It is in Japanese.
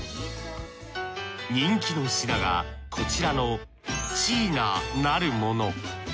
人気の品がこちらのチーななるもの。